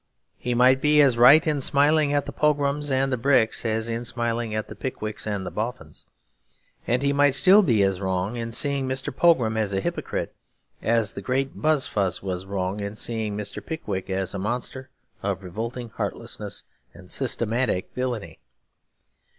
He might be as right in smiling at the Pograms and the Bricks as in smiling at the Pickwicks and the Boffins. And he might still be as wrong in seeing Mr. Pogram as a hypocrite as the great Buzfuz was wrong in seeing Mr. Pickwick as a monster of revolting heartlessness and systematic villainy.